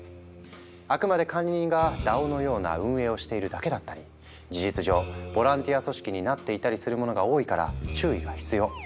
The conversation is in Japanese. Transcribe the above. あくまで管理人がＤＡＯのような運営をしているだけだったり事実上ボランティア組織になっていたりするものが多いから注意が必要。